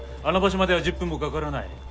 あの場所までは１０分もかからない。